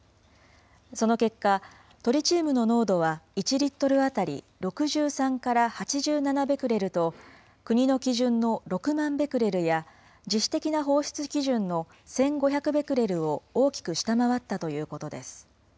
その結果、トリチウムの濃度は１リットル当たり６３から８７ベクレルと、国の基準の６万ベクレルや、自主的な放出基準の１５００ベクレルを大きく下回ったということです。